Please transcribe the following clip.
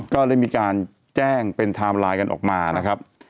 ก็เลยมีการแจ้งเป็นไทม์ไลน์กันออกมานะครับ